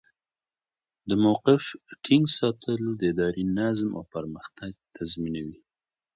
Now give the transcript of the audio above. د موقف ټینګ ساتل د ادارې نظم او پرمختګ تضمینوي.